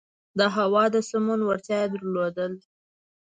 د هوا د سمون وړتیا یې درلوده.